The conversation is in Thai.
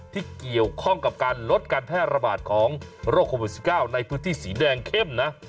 ที่เกี่ยวข้องกับการลดการแพร่ระบาดของโรคโควิด๑๙ในพื้นที่สีแดงเข้มนะ